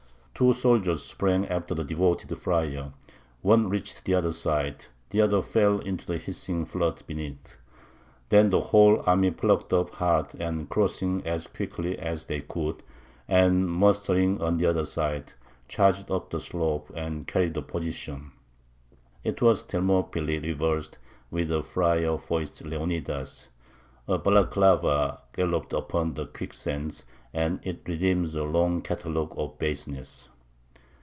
Two soldiers sprang after the devoted friar one reached the other side, the other fell into the hissing flood beneath. Then the whole army plucked up heart and crossing as quickly as they could, and mustering on the other side, charged up the slope, and carried the position. It was a Thermopylæ reversed, with a friar for its Leonidas; a Balaclava galloped upon quicksands; and it redeems a long catalogue of baseness.